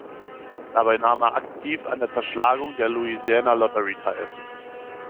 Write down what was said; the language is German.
Dabei nahm er aktiv an der Zerschlagung der Louisiana Lottery teil.